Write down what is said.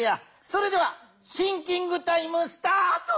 それではシンキングタイムスタート！